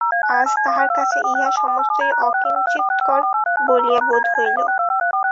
আজ তাঁহার কাছে ইহা সমস্তই অকিঞ্চিৎকর বলিয়া বোধ হইল।